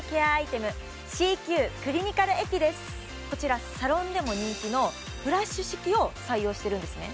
こちらサロンでも人気のフラッシュ式を採用してるんですね